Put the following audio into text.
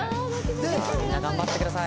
みんな頑張ってください。